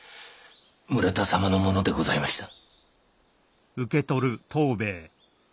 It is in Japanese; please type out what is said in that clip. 村田様のものでございました。